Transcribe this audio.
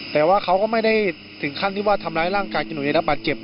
อ๋อแต่ว่าเขาก็ไม่ได้ถึงขั้นที่ว่าทำร้ายร่างกายกับหนุ่มไอดับปัดเก็บเนอะ